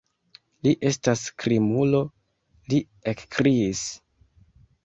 Li estas krimulo, li ekkriis.